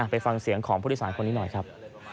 ไปฟังเสียงของผู้โดยสารคนนี้หน่อยครับ